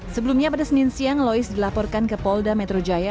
sebelumnya pada senin siang lois dilaporkan ke polda metro jaya